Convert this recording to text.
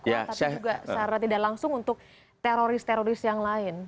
tapi juga secara tidak langsung untuk teroris teroris yang lain